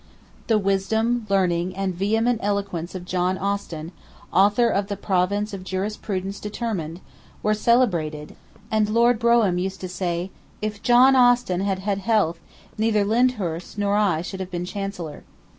The wisdom, learning, and vehement eloquence of John Austin, author of the 'Province of Jurisprudence Determined,' were celebrated, and Lord Brougham used to say: 'If John Austin had had health, neither Lyndhurst nor I should have been Chancellor.